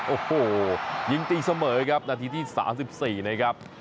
โอ้โหยิงตีเสมอครับนาทีที่๓๔นะครับ